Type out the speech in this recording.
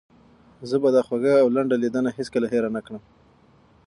زه به دا خوږه او لنډه لیدنه هیڅکله هېره نه کړم.